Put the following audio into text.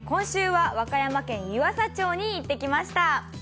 今週は、和歌山県湯浅町に行ってきました。